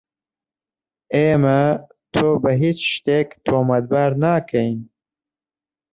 ئێمە تۆ بە هیچ شتێک تۆمەتبار ناکەین.